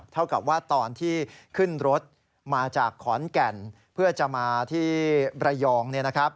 เท่ากับว่าตอนที่ขึ้นรถมาจากขอนแก่นเพื่อจะมาที่ระยอง